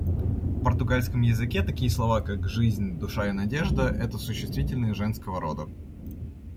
В португальском языке такие слова, как жизнь, душа и надежда, — это существительные женского рода.